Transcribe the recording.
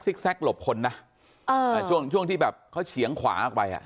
แก๊กหลบคนนะอ่าช่วงช่วงที่แบบเขาเฉียงขวาออกไปอ่ะ